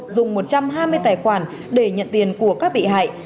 dùng một trăm hai mươi tài khoản để nhận tiền của các bị hại